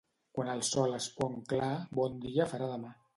Quan el sol es pon clar, bon dia farà demà.